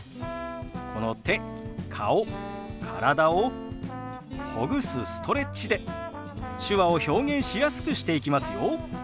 この手顔体をほぐすストレッチで手話を表現しやすくしていきますよ。